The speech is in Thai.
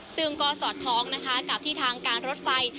ซึ่งก็สอดคล้องนะคะกับที่ทางการรถไฟ